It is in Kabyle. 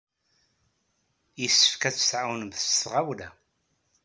Yessefk ad t-tɛawnemt s tɣawla!